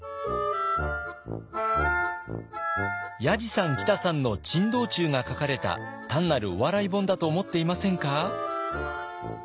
やじさんきたさんの珍道中が書かれた単なるお笑い本だと思っていませんか？